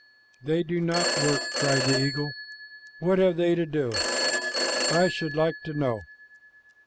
"They do not work," cried the eagle. "What have they to do, I should like to know?